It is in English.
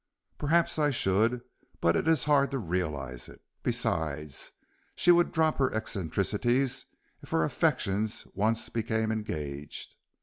"Perhaps I should, but it is hard to realize it. Besides, she would drop her eccentricities if her affections once became engaged."